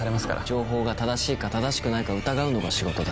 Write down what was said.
情報が正しいか正しくないかを疑うのが仕事だ。